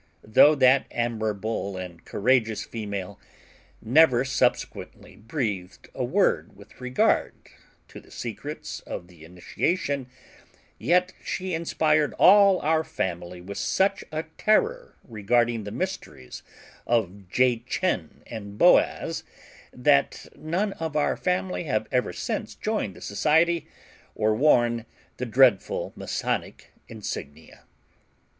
Though that admirable and courageous female never subsequently breathed a word with regard to the secrets of the initiation, yet she inspired all our family with such a terror regarding the mysteries of Jachin and Boaz, that none of our family have ever since joined the Society, or worn the dreadful Masonic insignia.